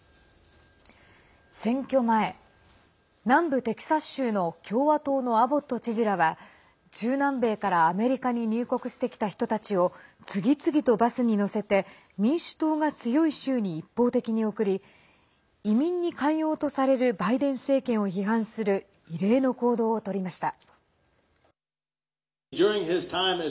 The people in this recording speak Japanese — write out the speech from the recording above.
選挙前、南部テキサス州の共和党のアボット知事らは中南米からアメリカに入国してきた人たちを次々とバスに乗せて民主党が強い州に一方的に送り移民に寛容とされるバイデン政権を批判する異例の行動をとりました。